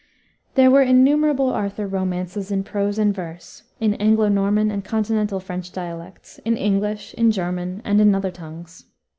There were innumerable Arthur romances in prose and verse, in Anglo Norman and continental French dialects, in English, in German, and in other tongues.